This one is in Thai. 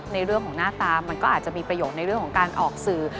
ในเรื่องของหน้าตามันก็อาจจะมีประโยชน์ในเรื่องของการออกสื่อ